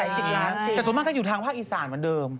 แต่ส่วนมากก็อยู่ทางภาคอีสานเหมือนเดิม